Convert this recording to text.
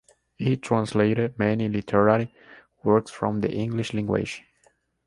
He translated many literary works from the English language.